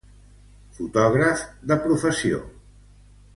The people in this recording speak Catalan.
Fotògraf de professió.